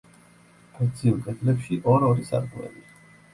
გრძივ კედლებში ორ-ორი სარკმელია.